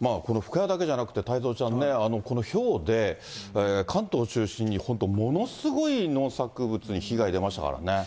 この深谷だけじゃなくて、太蔵ちゃんね、このひょうで、関東中心に本当、ものすごい農作物に被害出ましたからね。